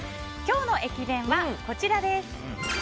今日の駅弁は、こちらです。